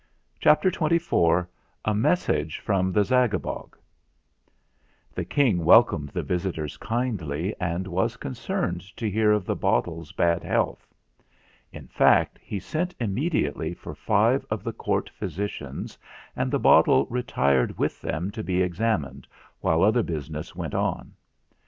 CHAPTER XXIV A MESSAGE FROM THE ZAGABOG The King welcomed the visitors kindly and was concerned to hear of the bottle's bad health. In fact, he sent immediately for five of the Court Physicians, and the bottle retired with them to be examined while other business went on.